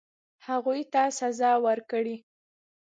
هغوی ته سزا ورکړي.